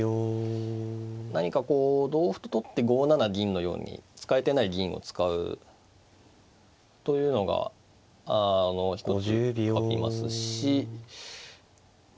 何かこう同歩と取って５七銀のように使えてない銀を使うというのが一つありますしま